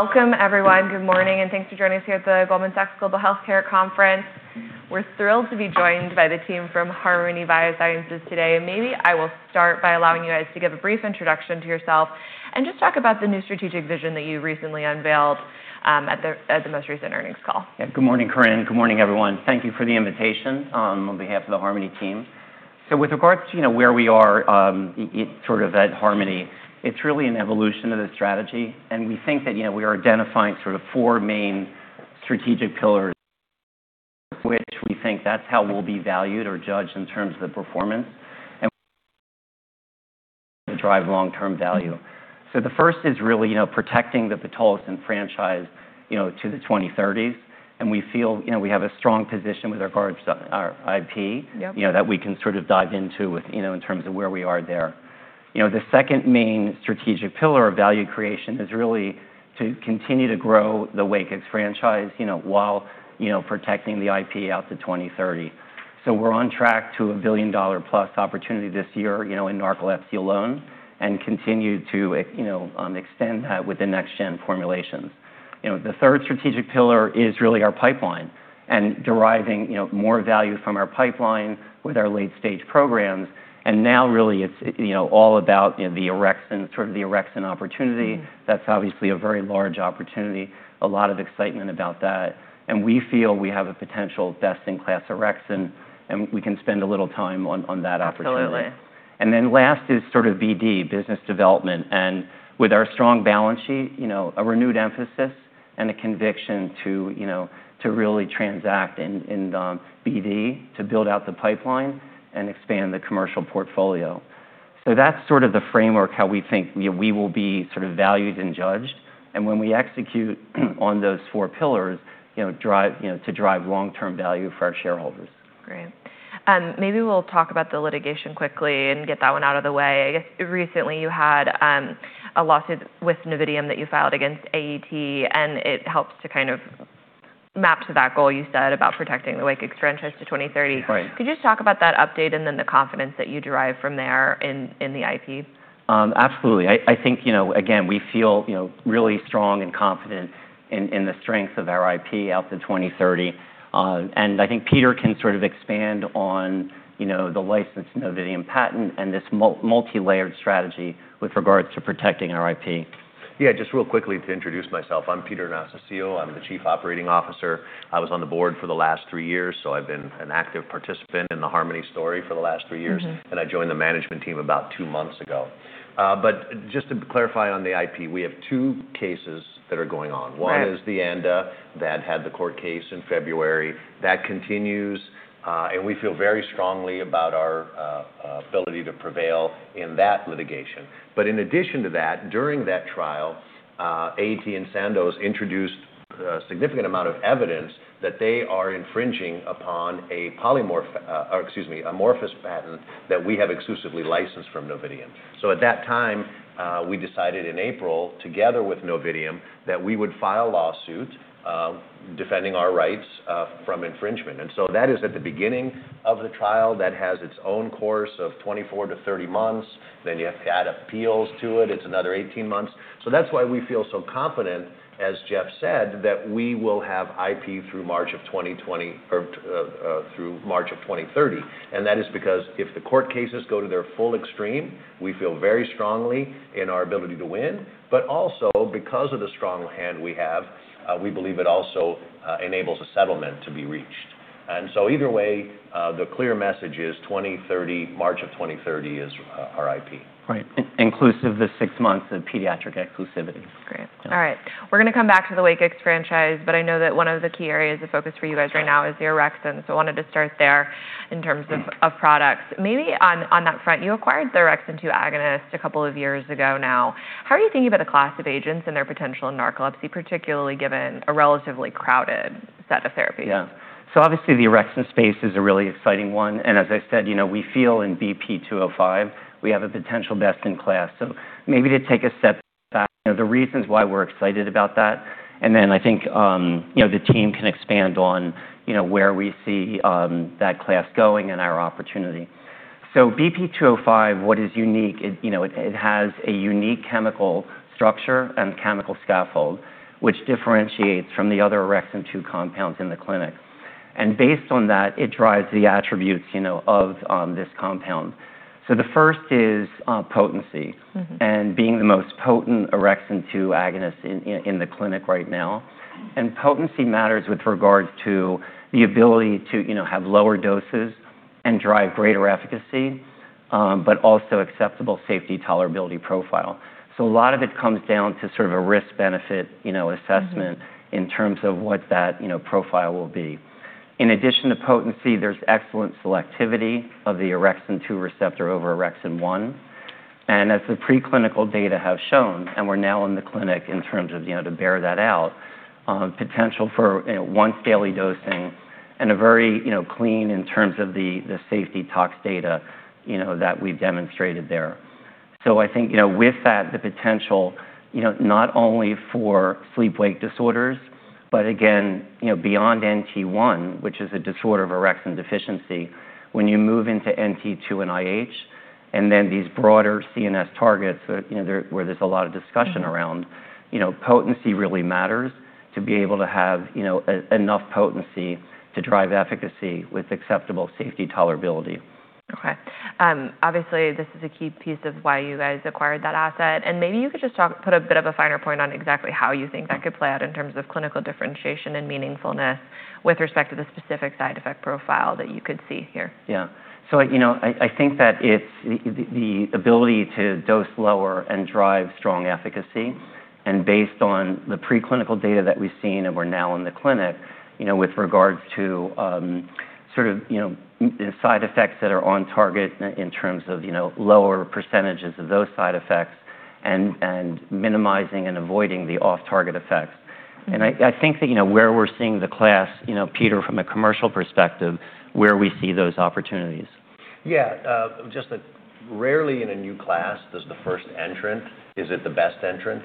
Welcome, everyone. Good morning, and thanks for joining us here at the Goldman Sachs Global Healthcare Conference. We're thrilled to be joined by the team from Harmony Biosciences today. Maybe I will start by allowing you guys to give a brief introduction to yourself and just talk about the new strategic vision that you recently unveiled at the most recent earnings call. Yeah. Good morning, Corinne. Good morning, everyone. Thank you for the invitation on behalf of the Harmony team. With regards to where we are at Harmony, it's really an evolution of the strategy. We think that we are identifying sort of four main strategic pillars, which we think that's how we'll be valued or judged in terms of the performance, and drive long-term value. The first is really protecting the pitolisant franchise to the 2030s, and we feel we have a strong position with regards to our IP- Yep. ...that we can sort of dive into in terms of where we are there. The second main strategic pillar of value creation is really to continue to grow the WAKIX franchise while protecting the IP out to 2030. We're on track to a $1 billion+ opportunity this year in narcolepsy alone, and continue to extend that with the next-gen formulations. The third strategic pillar is really our pipeline and deriving more value from our pipeline with our late-stage programs. Now really it's all about the orexin opportunity. That's obviously a very large opportunity. A lot of excitement about that. We feel we have a potential best-in-class orexin, and we can spend a little time on that opportunity. Absolutely. Last is sort of BD, business development. With our strong balance sheet, a renewed emphasis and a conviction to really transact in BD to build out the pipeline and expand the commercial portfolio. That's sort of the framework, how we think we will be sort of valued and judged, and when we execute on those four pillars to drive long-term value for our shareholders. Great. Maybe we'll talk about the litigation quickly and get that one out of the way. I guess recently you had a lawsuit with Novitium that you filed against AET, it helps to kind of map to that goal you said about protecting the WAKIX franchise to 2030. Right. Could you just talk about that update then the confidence that you derive from there in the IP? Absolutely. I think, again, we feel really strong and confident in the strength of our IP out to 2030. I think Peter can sort of expand on the licensed Novitium patent and this multi-layered strategy with regards to protecting our IP. Yeah, just real quickly to introduce myself. I'm Peter Anastasiou. I'm the Chief Operating Officer. I've been an active participant in the Harmony story for the last three years. I joined the management team about two months ago. Just to clarify on the IP, we have two cases that are going on. Right. One is the ANDA that had the court case in February. That continues, and we feel very strongly about our ability to prevail in that litigation. In addition to that, during that trial, AET and Sandoz introduced a significant amount of evidence that they are infringing upon an amorphous patent that we have exclusively licensed from Novitium. At that time, we decided in April, together with Novitium, that we would file lawsuit, defending our rights from infringement. That is at the beginning of the trial. That has its own course of 24-30 months. You have to add appeals to it. It's another 18 months. That's why we feel so confident, as Jeff said, that we will have IP through March of 2030, and that is because if the court cases go to their full extreme, we feel very strongly in our ability to win. Also, because of the strong hand we have, we believe it also enables a settlement to be reached. Either way, the clear message is March of 2030 is our IP. Right. Inclusive the six months of pediatric exclusivity. Great. All right. We're going to come back to the WAKIX franchise. I know that one of the key areas of focus for you guys right now is the orexin. I wanted to start there in terms of products. Maybe on that front, you acquired the orexin 2 agonist couple of years ago now. How are you thinking about a class of agents and their potential in narcolepsy, particularly given a relatively crowded set of therapies? Yeah. Obviously the orexin space is a really exciting one. As I said, we feel in BP-205 we have a potential best in class. Maybe to take a step back, the reasons why we're excited about that. I think the team can expand on where we see that class going and our opportunity. BP-205, what is unique is, it has a unique chemical structure and chemical scaffold, which differentiates from the other orexin 2 compounds in the clinic. Based on that, it drives the attributes of this compound. The first is potency and being the most potent orexin 2 agonist in the clinic right now. Potency matters with regards to the ability to have lower doses and drive greater efficacy, also acceptable safety tolerability profile. A lot of it comes down to sort of a risk-benefit assessment in terms of what that profile will be. In addition to potency, there's excellent selectivity of the orexin 2 receptor over orexin 1. As the preclinical data have shown, we're now in the clinic in terms of to bear that out, potential for once-daily dosing and a very clean in terms of the safety tox data that we've demonstrated there. I think, with that, the potential, not only for sleep-wake disorders, but again, beyond NT1, which is a disorder of orexin deficiency. When you move into NT2 and IH- these broader CNS targets where there's a lot of discussion around potency really matters to be able to have enough potency to drive efficacy with acceptable safety tolerability. Okay. Obviously, this is a key piece of why you guys acquired that asset, and maybe you could just put a bit of a finer point on exactly how you think that could play out in terms of clinical differentiation and meaningfulness with respect to the specific side effect profile that you could see here. Yeah. I think that it's the ability to dose lower and drive strong efficacy, based on the preclinical data that we've seen and we're now in the clinic, with regards to sort of the side effects that are on target in terms of lower percentage of those side effects and minimizing and avoiding the off-target effects. I think that where we're seeing the class, Peter, from a commercial perspective, where we see those opportunities. Yeah. Just that rarely in a new class does the first entrant, is it the best entrant?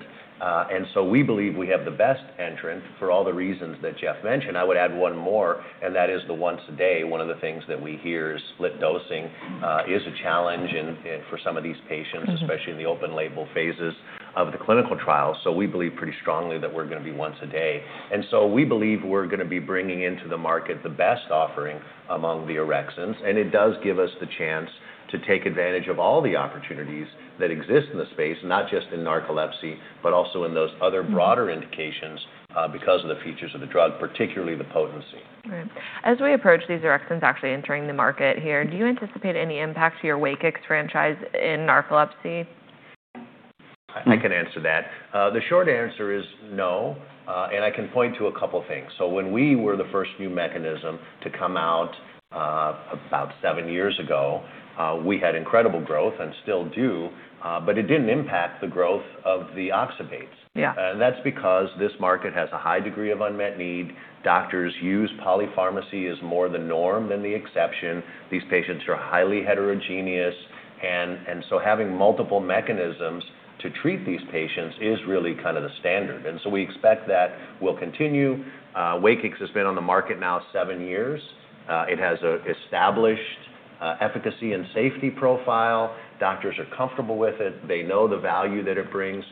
We believe we have the best entrant for all the reasons that Jeff mentioned. I would add one more, and that is the once a day. One of the things that we hear is split dosing is a challenge for some of these patients, especially in the open label phases of the clinical trial. We believe pretty strongly that we're going to be once a day. We believe we're going to be bringing into the market the best offering among the orexins, and it does give us the chance to take advantage of all the opportunities that exist in the space, not just in narcolepsy, but also in those other broader indications, because of the features of the drug, particularly the potency. Right. As we approach these orexins actually entering the market here, do you anticipate any impact to your WAKIX franchise in narcolepsy? I can answer that. The short answer is no. I can point to a couple of things. When we were the first new mechanism to come out, about seven years ago, we had incredible growth and still do. It didn't impact the growth of the oxybates. Yeah. That's because this market has a high degree of unmet need. Doctors use polypharmacy as more the norm than the exception. These patients are highly heterogeneous, having multiple mechanisms to treat these patients is really kind of the standard. We expect that will continue. WAKIX has been on the market now seven years. It has established efficacy and safety profile. Doctors are comfortable with it. They know the value that it brings,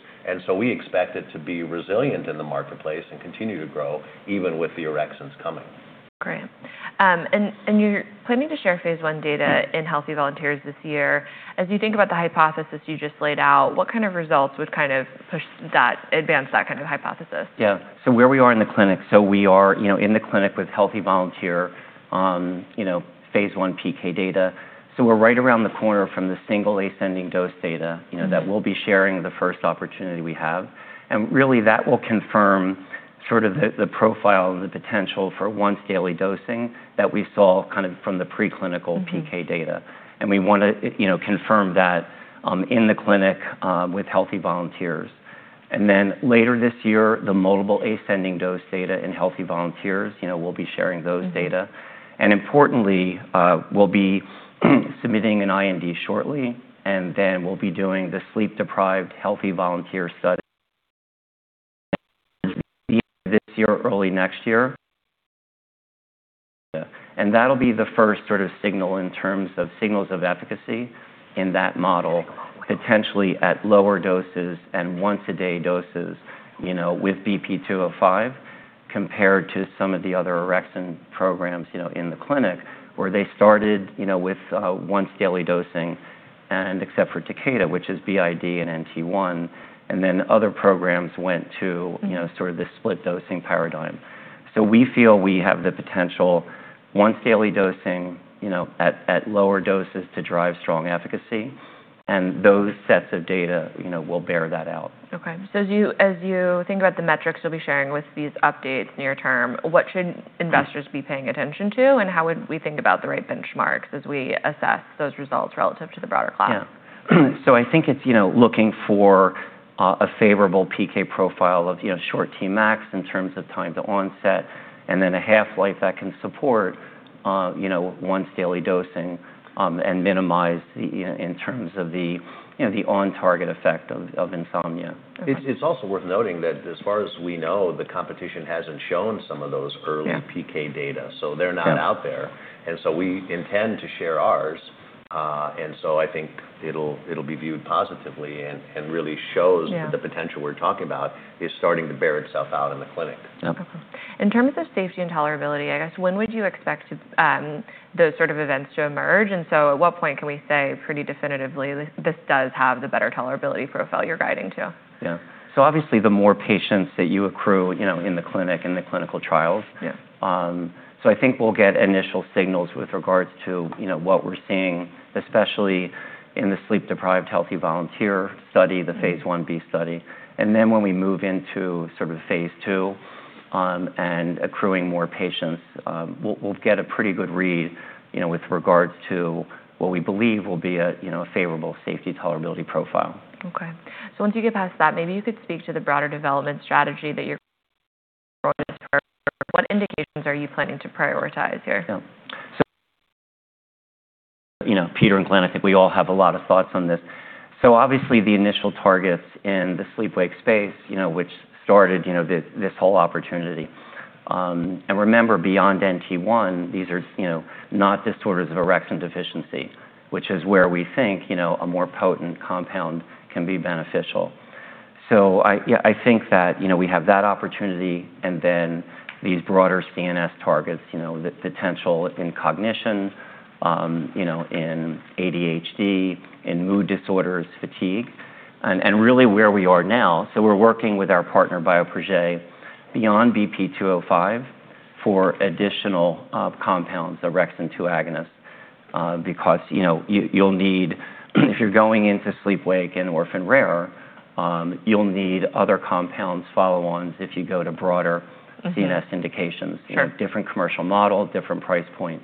we expect it to be resilient in the marketplace and continue to grow even with the orexins coming. Great. You're planning to share phase I data in healthy volunteers this year. As you think about the hypothesis you just laid out, what kind of results would kind of advance that kind of hypothesis? Yeah. Where we are in the clinic, we are in the clinic with healthy volunteer on phase I PK data. We're right around the corner from the single ascending dose data that we'll be sharing the first opportunity we have. Really that will confirm sort of the profile and the potential for once daily dosing that we saw kind of from the preclinical PK data. We want to confirm that in the clinic with healthy volunteers. Later this year, the multiple ascending dose data in healthy volunteers, we'll be sharing those data. Importantly, we'll be submitting an IND shortly, then we'll be doing the sleep-deprived healthy volunteer study this year or early next year. That'll be the first sort of signal in terms of signals of efficacy in that model, potentially at lower doses and once-a-day doses, with BP-205 compared to some of the other orexin programs in the clinic, where they started with once daily dosing except for Takeda, which is BID and NT1, and then other programs went to sort of the split dosing paradigm. We feel we have the potential once daily dosing at lower doses to drive strong efficacy. Those sets of data will bear that out. Okay. As you think about the metrics you'll be sharing with these updates near term, what should investors be paying attention to, and how would we think about the right benchmarks as we assess those results relative to the broader class? Yeah. I think it's looking for a favorable PK profile of short Tmax in terms of time to onset and then a half-life that can support once daily dosing, and minimize in terms of the on-target effect of insomnia. It's also worth noting that as far as we know, the competition hasn't shown some of those early PK data, so they're not out there. We intend to share ours. I think it'll be viewed positively- Yeah. ...the potential we're talking about is starting to bear itself out in the clinic. Okay. In terms of safety and tolerability, I guess, when would you expect those sort of events to emerge? At what point can we say pretty definitively this does have the better tolerability profile you're guiding to? Yeah. Obviously the more patients that you accrue in the clinic, in the clinical trials. Yeah. I think we'll get initial signals with regards to what we're seeing, especially in the sleep-deprived healthy volunteer study, the phase I-B study. When we move into sort of phase II, and accruing more patients, we'll get a pretty good read with regards to what we believe will be a favorable safety tolerability profile. Okay. Once you get past that, maybe you could speak to the broader development strategy. What indications are you planning to prioritize here? Yeah. Peter and Glenn, I think we all have a lot of thoughts on this. Obviously, the initial targets in the sleep-wake space, which started this whole opportunity. Remember, beyond NT1, these are not disorders of orexin deficiency, which is where we think a more potent compound can be beneficial. I think that we have that opportunity, then these broader CNS targets, the potential in cognition, in ADHD, in mood disorders, fatigue, and really where we are now. We're working with our partner, Bioprojet, beyond BP-205 for additional compounds, orexin 2 agonists, because if you're going into sleep-wake and orphan rare, you'll need other compounds, follow-ons, if you go to broader CNS indications. Sure. Different commercial model, different price point.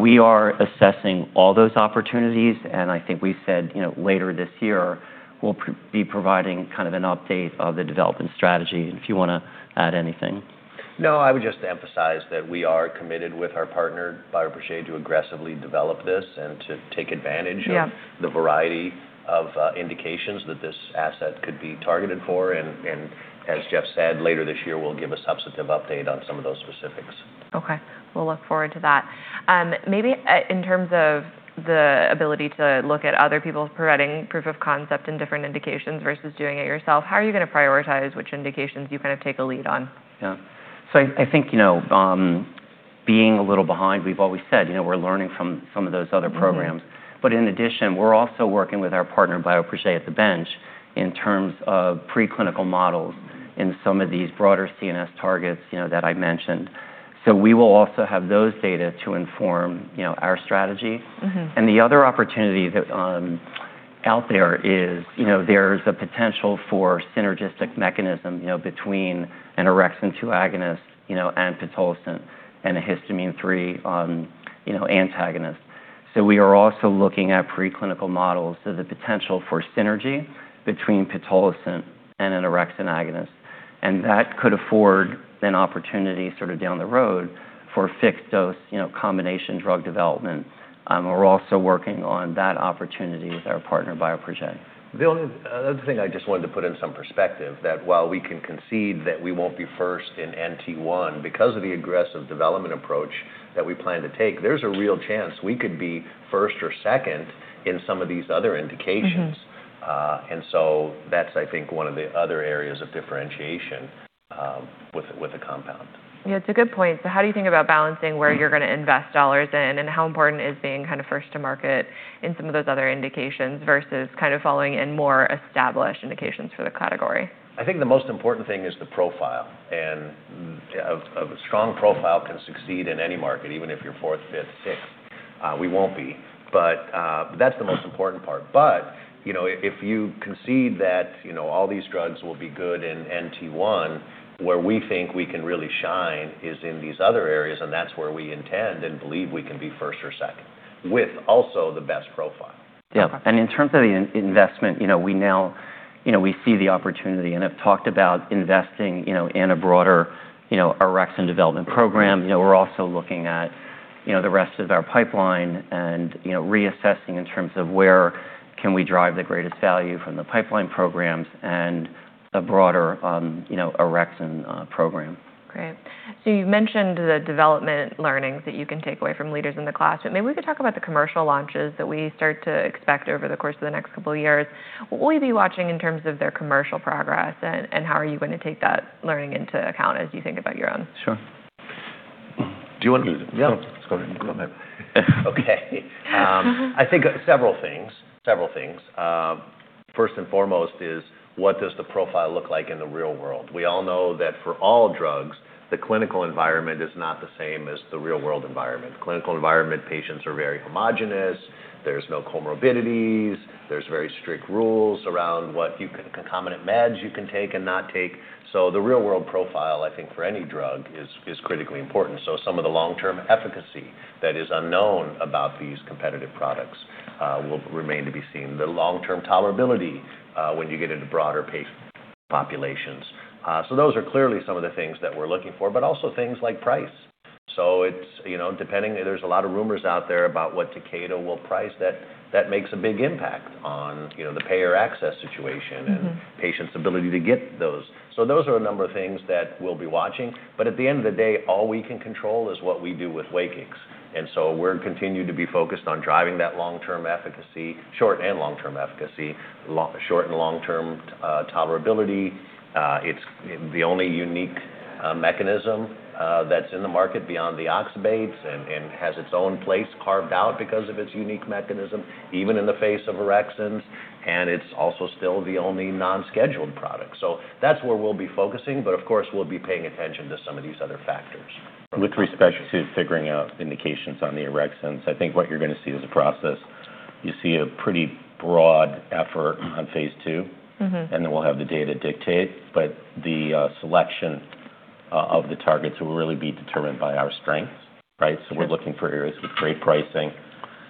We are assessing all those opportunities, and I think we said later this year, we'll be providing an update of the development strategy, if you want to add anything. No, I would just emphasize that we are committed with our partner, Bioprojet, to aggressively develop this and to take advantage of the variety of indications that this asset could be targeted for. As Jeff said, later this year, we'll give a substantive update on some of those specifics. Okay. We'll look forward to that. Maybe in terms of the ability to look at other people providing proof of concept in different indications versus doing it yourself, how are you going to prioritize which indications you take a lead on? Yeah. I think, being a little behind, we've always said we're learning from some of those other programs. In addition, we're also working with our partner, Bioprojet, at the bench in terms of preclinical models in some of these broader CNS targets that I mentioned. We will also have those data to inform our strategy. The other opportunity out there is, there's a potential for synergistic mechanism between an orexin 2 agonist and pitolisant and a histamine 3 antagonist. We are also looking at preclinical models of the potential for synergy between pitolisant and an orexin agonist. That could afford an opportunity down the road for fixed dose combination drug development. We're also working on that opportunity with our partner, Bioprojet. The only other thing I just wanted to put in some perspective, that while we can concede that we won't be first in NT1, because of the aggressive development approach that we plan to take, there's a real chance we could be first or second in some of these other indications. That's, I think, one of the other areas of differentiation with the compound. Yeah, it's a good point. How do you think about balancing where you're going to invest $1 in, and how important is being first to market in some of those other indications versus following in more established indications for the category? I think the most important thing is the profile. A strong profile can succeed in any market, even if you're fourth, fifth, sixth. We won't be, but that's the most important part. If you concede that all these drugs will be good in NT1, where we think we can really shine is in these other areas, and that's where we intend and believe we can be first or second, with also the best profile. Okay. In terms of the investment, we see the opportunity and have talked about investing in a broader orexin development program. We're also looking at the rest of our pipeline and reassessing in terms of where can we drive the greatest value from the pipeline programs and the broader orexin program. Great. You've mentioned the development learnings that you can take away from leaders in the class, and maybe we could talk about the commercial launches that we start to expect over the course of the next couple of years. What will you be watching in terms of their commercial progress, and how are you going to take that learning into account as you think about your own? Sure. Do you want to? Yeah. Go ahead. Okay. I think several things. First and foremost is what does the profile look like in the real world? We all know that for all drugs, the clinical environment is not the same as the real world environment. Clinical environment, patients are very homogenous. There's no comorbidities. There's very strict rules around what concomitant meds you can take and not take. The real-world profile, I think, for any drug is critically important. Some of the long-term efficacy that is unknown about these competitive products will remain to be seen. The long-term tolerability when you get into broader populations. Those are clearly some of the things that we're looking for, but also things like price. There's a lot of rumors out there about what Takeda will price, that makes a big impact on the payer access situation and patient's ability to get those. Those are a number of things that we'll be watching. At the end of the day, all we can control is what we do with WAKIX. We're continuing to be focused on driving that long-term efficacy, short and long-term efficacy, short and long-term tolerability. It's the only unique mechanism that's in the market beyond the oxybates and has its own place carved out because of its unique mechanism, even in the face of orexins. It's also still the only non-scheduled product. That's where we'll be focusing, but of course, we'll be paying attention to some of these other factors. With respect to figuring out indications on the orexins, I think what you're going to see is a process. You see a pretty broad effort on phase II. We'll have the data dictate, but the selection of the targets will really be determined by our strengths, right? We're looking for areas with great pricing,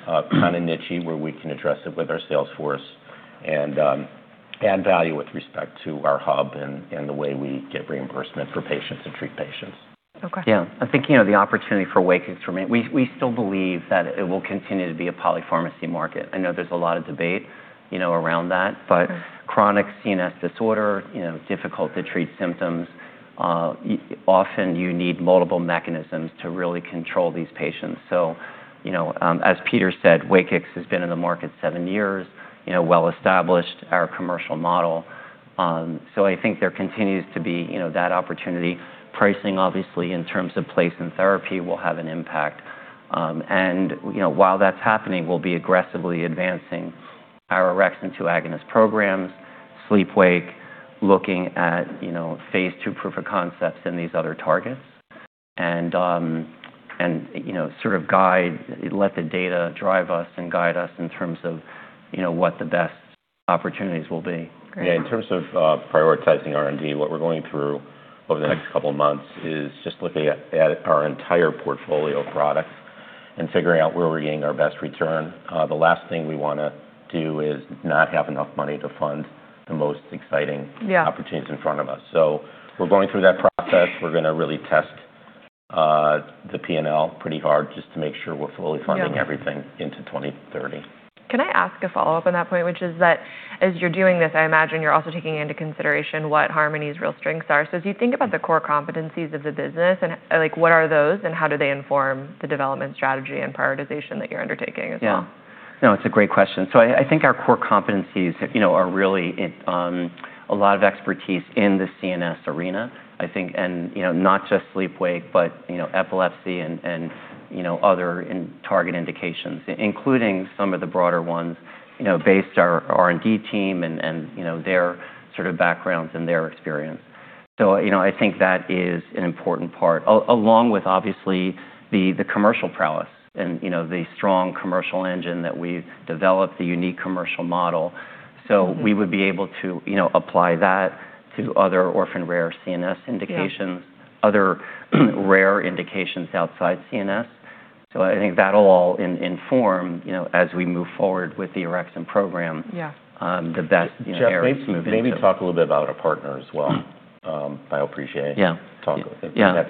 kind of niche-y, where we can address it with our sales force and add value with respect to our hub and the way we get reimbursement for patients and treat patients. Okay. Yeah, I think, the opportunity for WAKIX, we still believe that it will continue to be a polypharmacy market. I know there's a lot of debate around that. Okay. Chronic CNS disorder, difficult to treat symptoms, often you need multiple mechanisms to really control these patients. As Peter said, WAKIX has been in the market seven years, well established, our commercial model. I think there continues to be that opportunity. Pricing, obviously, in terms of place in therapy will have an impact. While that's happening, we'll be aggressively advancing our orexin 2 agonist programs, sleep-wake, looking at phase II proof of concepts in these other targets, sort of let the data drive us and guide us in terms of what the best opportunities will be. Great. Yeah, in terms of prioritizing R&D, what we're going through over the next couple of months is just looking at our entire portfolio of products and figuring out where we're getting our best return. The last thing we want to do is not have enough money to fund the most exciting- Yeah. ...opportunities in front of us. We're going through that process. We're going to really test the P&L pretty hard just to make sure we're fully funding everything into 2030. Can I ask a follow-up on that point, which is that as you're doing this, I imagine you're also taking into consideration what Harmony's real strengths are. As you think about the core competencies of the business, what are those and how do they inform the development strategy and prioritization that you're undertaking as well? Yeah. No, it's a great question. I think our core competencies are really a lot of expertise in the CNS arena, and not just sleep-wake, but epilepsy and other target indications, including some of the broader ones, based our R&D team and their sort of backgrounds and their experience. I think that is an important part, along with, obviously, the commercial prowess and the strong commercial engine that we've developed, the unique commercial model. We would be able to apply that to other orphan rare CNS indications- Yeah. ...other rare indications outside CNS. I think that'll all inform, as we move forward with the orexin program- Yeah. ...the best areas to move into. Jeff, maybe talk a little bit about our partner as well, Bioprojet. Yeah. I think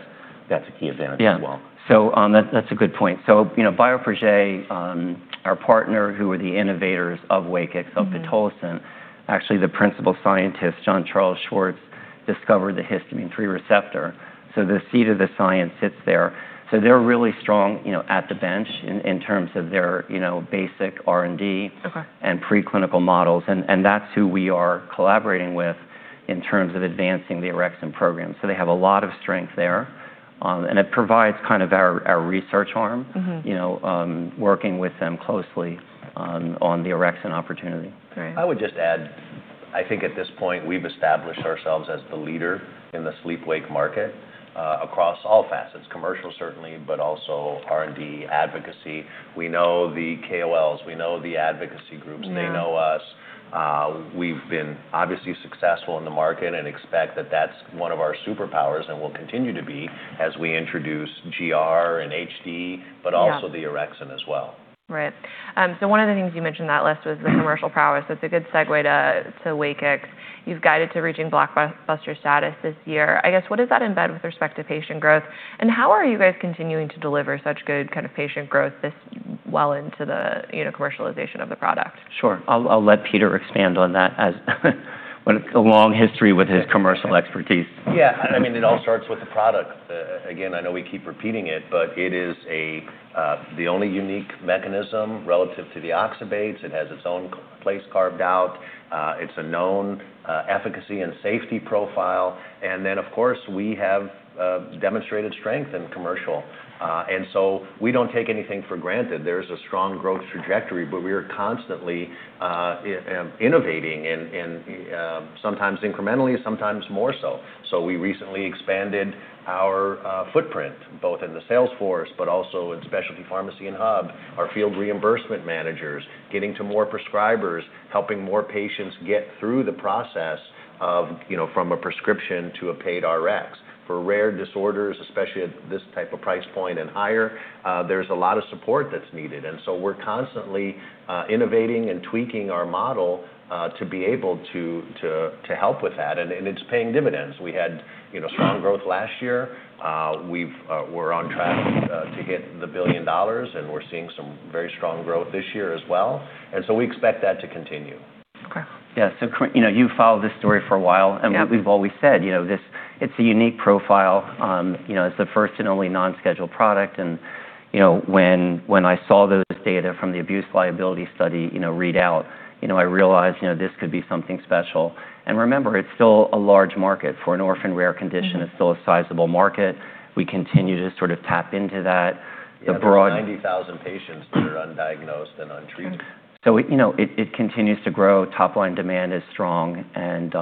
that's a key advantage as well. Yeah. That's a good point. Bioprojet, our partner, who are the innovators of WAKIX of pitolisant, actually, the principal scientist, Jean-Charles Schwartz, discovered the histamine H3 receptor. The seed of the science sits there. They're really strong at the bench in terms of their basic R&D- Okay. ...preclinical models, and that's who we are collaborating with in terms of advancing the orexin program. They have a lot of strength there, and it provides kind of our research arm working with them closely on the orexin opportunity. Great. I would just add, I think at this point, we've established ourselves as the leader in the sleep-wake market, across all facets, commercial certainly, but also R&D, advocacy. We know the KOLs, we know the advocacy groups. Yeah. They know us. We've been obviously successful in the market and expect that that's one of our superpowers and will continue to be as we introduce GR and HD- Yeah. ...also the orexin as well. Right. One of the things you mentioned in that list was the commercial prowess. That's a good segue to WAKIX. You've guided to reaching blockbuster status this year. I guess, what does that embed with respect to patient growth, and how are you guys continuing to deliver such good kind of patient growth this well into the commercialization of the product? Sure. I'll let Peter expand on that as a long history with his commercial expertise. Yeah, it all starts with the product. Again, I know we keep repeating it, but it is the only unique mechanism relative to the oxybates. It has its own place carved out. It's a known efficacy and safety profile. Then, of course, we have demonstrated strength in commercial. We don't take anything for granted. There's a strong growth trajectory, but we are constantly innovating and sometimes incrementally, sometimes more so. We recently expanded our footprint, both in the sales force, but also in specialty pharmacy and hub, our field reimbursement managers, getting to more prescribers, helping more patients get through the process of from a prescription to a paid RX. For rare disorders, especially at this type of price point and higher, there's a lot of support that's needed, we're constantly innovating and tweaking our model to be able to help with that, and it's paying dividends. We had strong growth last year. We're on track to hit the $1 billion, we're seeing some very strong growth this year as well, we expect that to continue. Okay. Yeah, Corinne, you've followed this story for a while. Yeah. We've always said, it's a unique profile. It's the first and only non-scheduled product, and when I saw those data from the abuse liability study readout, I realized this could be something special. Remember, it's still a large market for an orphan rare condition. It's still a sizable market. We continue to sort of tap into that. Yeah, there's 90,000 patients that are undiagnosed and untreated. Sure. It continues to grow. Top line demand is strong and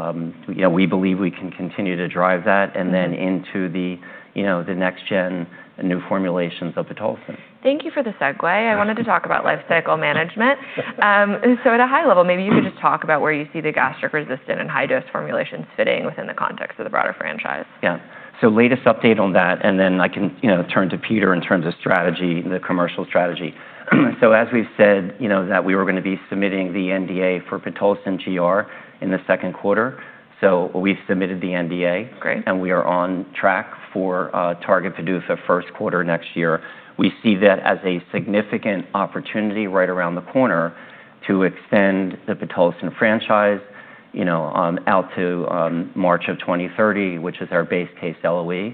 we believe we can continue to drive that, and then into the next gen new formulations of pitolisant. Thank you for the segue. I wanted to talk about lifecycle management. At a high level, maybe you could just talk about where you see the gastro-resistant and high-dose formulations fitting within the context of the broader franchise. Yeah. Latest update on that, I can turn to Peter in terms of strategy, the commercial strategy. As we've said, that we were going to be submitting the NDA for pitolisant GR in the second quarter. We've submitted the NDA. Great. We are on track for a target to do with the first quarter next year. We see that as a significant opportunity right around the corner to extend the pitolisant franchise. Out to March of 2030, which is our base case LOE.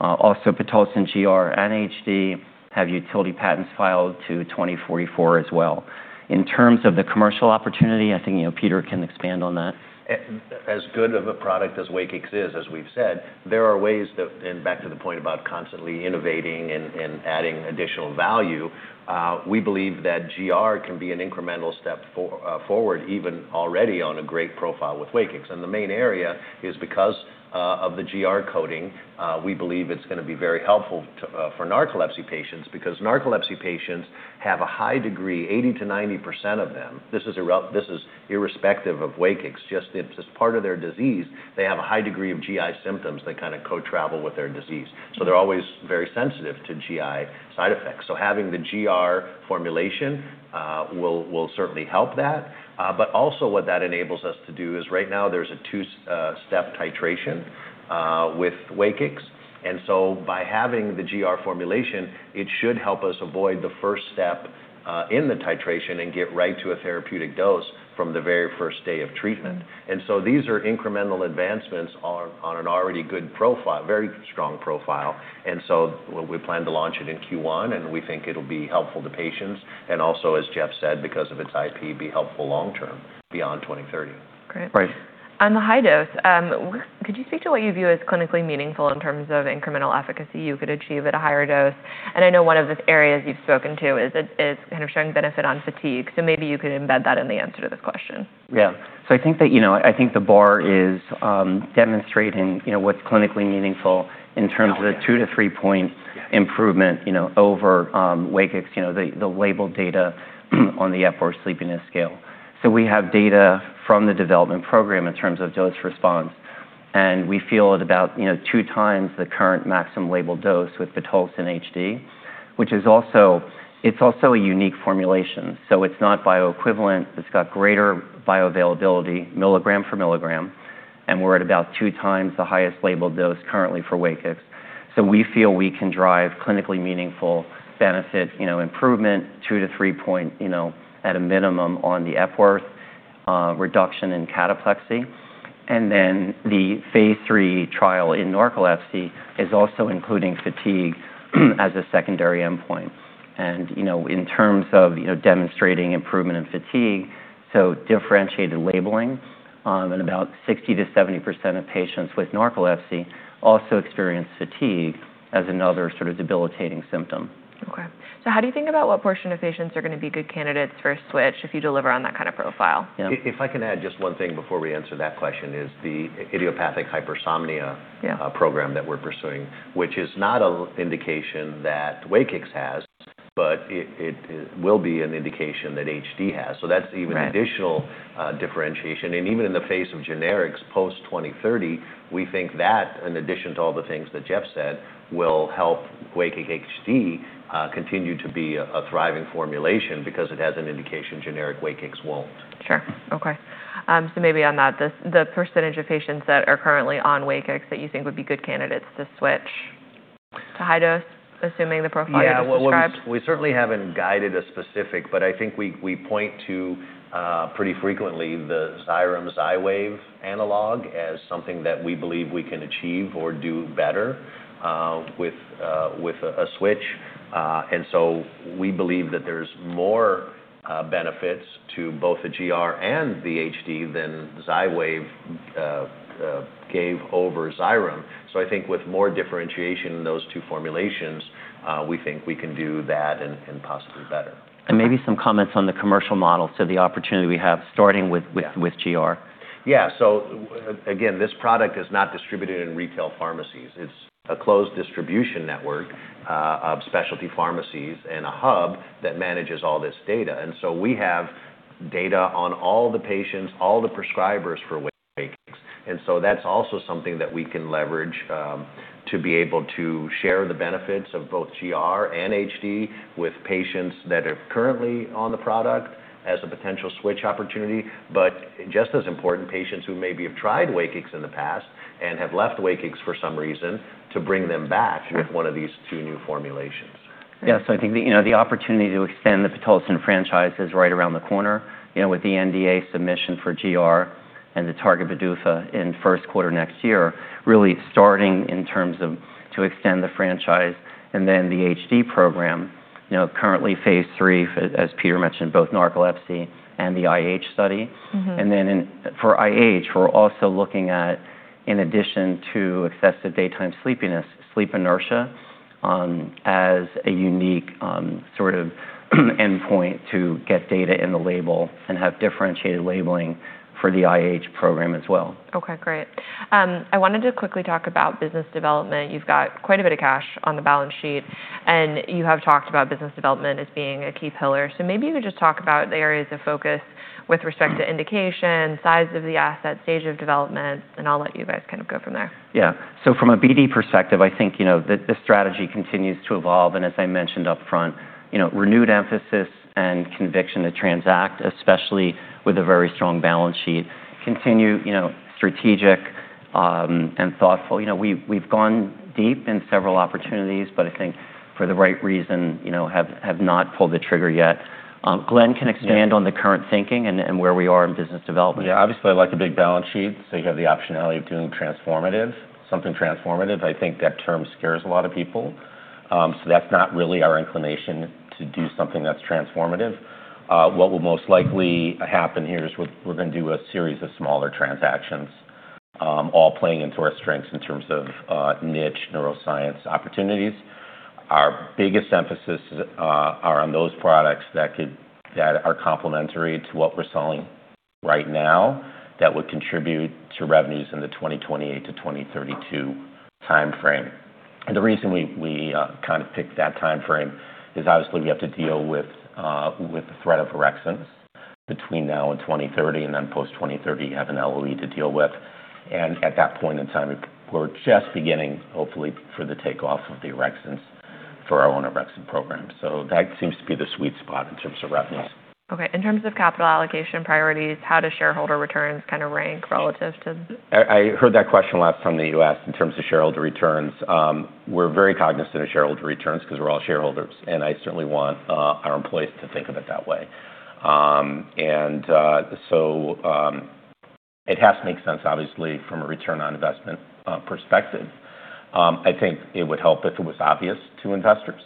Also, pitolisant GR and HD have utility patents filed to 2044 as well. In terms of the commercial opportunity, I think Peter can expand on that. As good of a product as WAKIX is, as we've said, there are ways and back to the point about constantly innovating and adding additional value, we believe that GR can be an incremental step forward, even already on a great profile with WAKIX. The main area is because of the GR coating, we believe it's going to be very helpful for narcolepsy patients because narcolepsy patients have a high degree, 80%-90% of them, this is irrespective of WAKIX, it's just part of their disease. They have a high degree of GI symptoms that kind of co-travel with their disease. They're always very sensitive to GI side effects. Having the GR formulation will certainly help that. Also what that enables us to do is right now there's a two-step titration with WAKIX, by having the GR formulation, it should help us avoid the first step in the titration and get right to a therapeutic dose from the very first day of treatment. These are incremental advancements on an already good profile, very strong profile. Also, as Jeff said, because of its IP, be helpful long term beyond 2030. Great. Right. On the high-dose, could you speak to what you view as clinically meaningful in terms of incremental efficacy you could achieve at a higher dose? I know one of the areas you've spoken to is kind of showing benefit on fatigue, so maybe you could embed that in the answer to this question. Yeah. I think the bar is demonstrating what's clinically meaningful in terms of the two to three point improvement over WAKIX, the labeled data on the Epworth Sleepiness Scale. We have data from the development program in terms of dose response, and we feel at about two times the current maximum labeled dose with pitolisant HD. It's also a unique formulation. It's not bioequivalent. It's got greater bioavailability milligram for milligram, and we're at about two times the highest labeled dose currently for WAKIX. We feel we can drive clinically meaningful benefit improvement two to three point at a minimum on the Epworth reduction in cataplexy. The phase III trial in narcolepsy is also including fatigue as a secondary endpoint. In terms of demonstrating improvement in fatigue, differentiated labeling in about 60%-70% of patients with narcolepsy also experience fatigue as another sort of debilitating symptom. Okay. How do you think about what portion of patients are going to be good candidates for a switch if you deliver on that kind of profile? Yeah. If I can add just one thing before we answer that question is the idiopathic hypersomnia- Yeah. ...program that we're pursuing, which is not an indication that WAKIX has, but it will be an indication that HD has. That's even- Right. ...additional differentiation. Even in the face of generics post-2030, we think that, in addition to all the things that Jeff said, will help WAKIX HD continue to be a thriving formulation because it has an indication generic WAKIX won't. Sure. Okay. Maybe on that, the percentage of patients that are currently on WAKIX that you think would be good candidates to switch to high dose, assuming the profile you just described. Well, we certainly haven't guided a specific, but I think we point to pretty frequently the XYREM Xywav analog as something that we believe we can achieve or do better with a switch. We believe that there's more benefits to both the GR and the HD than Xywav gave over XYREM. I think with more differentiation in those two formulations, we think we can do that and possibly better. Maybe some comments on the commercial model. The opportunity we have starting with GR. Again, this product is not distributed in retail pharmacies. It's a closed distribution network of specialty pharmacies and a hub that manages all this data. We have data on all the patients, all the prescribers for WAKIX. That's also something that we can leverage to be able to share the benefits of both GR and HD with patients that are currently on the product as a potential switch opportunity. Just as important, patients who maybe have tried WAKIX in the past and have left WAKIX for some reason to bring them back with one of these two new formulations. I think the opportunity to extend the pitolisant franchise is right around the corner with the NDA submission for GR and the target PDUFA in first quarter next year, really starting in terms of to extend the franchise and then the HD program. Currently phase III, as Peter mentioned, both narcolepsy and the IH study. For IH, we're also looking at, in addition to excessive daytime sleepiness, sleep inertia as a unique sort of endpoint to get data in the label and have differentiated labeling for the IH program as well. Okay, great. I wanted to quickly talk about business development. You've got quite a bit of cash on the balance sheet, and you have talked about business development as being a key pillar. Maybe you could just talk about the areas of focus with respect to indication, size of the asset, stage of development, and I'll let you guys kind of go from there. Yeah. From a BD perspective, I think the strategy continues to evolve and as I mentioned upfront, renewed emphasis and conviction to transact, especially with a very strong balance sheet, continue strategic and thoughtful. We've gone deep in several opportunities, but I think for the right reason, have not pulled the trigger yet. Glenn can expand on the current thinking and where we are in business development. Yeah. Obviously, I like the big balance sheet, so you have the optionality of doing transformative, something transformative. I think that term scares a lot of people. That's not really our inclination to do something that's transformative. What will most likely happen here is we're going to do a series of smaller transactions, all playing into our strengths in terms of niche neuroscience opportunities. Our biggest emphasis are on those products that are complementary to what we're selling right now, that would contribute to revenues in the 2028-2032 time frame. The reason we picked that time frame is obviously we have to deal with the threat of orexins between now and 2030, then post-2030, you have an LOE to deal with. At that point in time, we're just beginning, hopefully, for the takeoff of the orexins for our own orexin program. That seems to be the sweet spot in terms of revenues. In terms of capital allocation priorities, how do shareholder returns rank relative to- I heard that question last time that you asked in terms of shareholder returns. We're very cognizant of shareholder returns because we're all shareholders, and I certainly want our employees to think of it that way. It has to make sense, obviously, from a return on investment perspective. I think it would help if it was obvious to investors.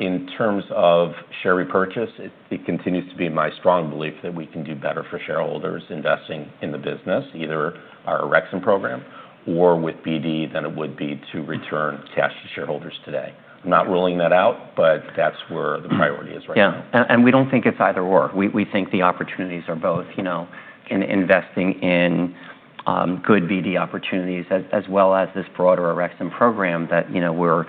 In terms of share repurchase, it continues to be my strong belief that we can do better for shareholders investing in the business, either our orexin program or with BD, than it would be to return cash to shareholders today. I'm not ruling that out, but that's where the priority is right now. Yeah. We don't think it's either/or. We think the opportunities are both in investing in good BD opportunities as well as this broader orexin program that we're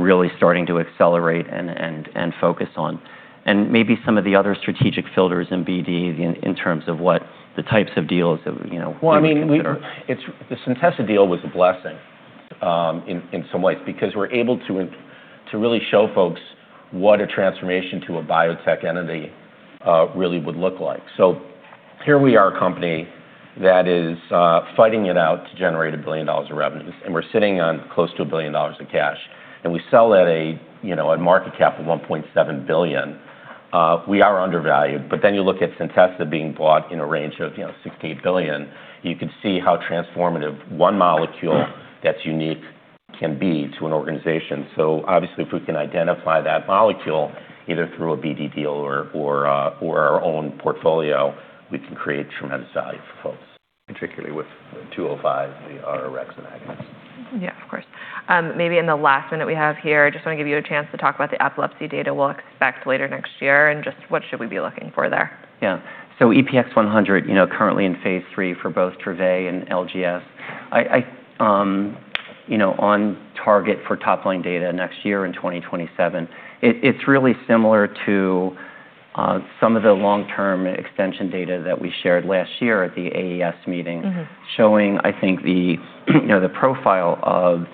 really starting to accelerate and focus on. Maybe some of the other strategic filters in BD in terms of what the types of deals that we would consider. The Centessa deal was a blessing in some ways because we're able to really show folks what a transformation to a biotech entity really would look like. Here we are, a company that is fighting it out to generate $1 billion of revenues, and we're sitting on close to $1 billion of cash, and we sell at a market cap of $1.7 billion. We are undervalued. You look at Centessa being bought in a range of $6 billion-$8 billion, you could see how transformative one molecule that's unique can be to an organization. Obviously, if we can identify that molecule either through a BD deal or our own portfolio, we can create tremendous value for folks, particularly with BP-205, the orexin agonist. Yeah, of course. Maybe in the last minute we have here, I just want to give you a chance to talk about the epilepsy data we'll expect later next year and just what should we be looking for there? Yeah. EPX-100, currently in phase III for both Dravet and LGS. On target for top-line data next year in 2027. It's really similar to some of the long-term extension data that we shared last year at the AES meeting showing, I think, the profile of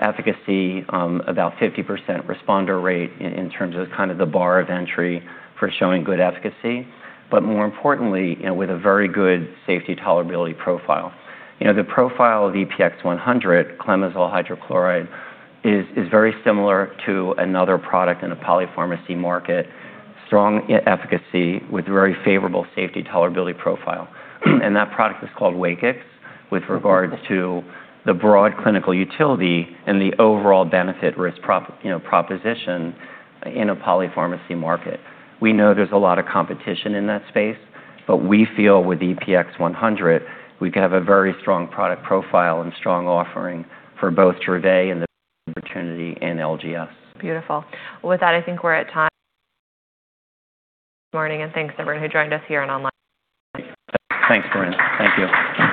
efficacy, about 50% responder rate in terms of the bar of entry for showing good efficacy. More importantly, with a very good safety tolerability profile. The profile of EPX-100, clemizole hydrochloride, is very similar to another product in the polypharmacy market, strong efficacy with very favorable safety tolerability profile. That product is called WAKIX with regards to the broad clinical utility and the overall benefit risk proposition in a polypharmacy market. We know there's a lot of competition in that space, we feel with EPX-100, we can have a very strong product profile and strong offering for both Dravet and the opportunity in LGS. Beautiful. With that, I think we're at time this morning and thanks everyone who joined us here and online. Thanks, Corinne. Thank you.